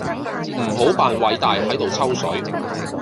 唔好扮偉大喺度抽水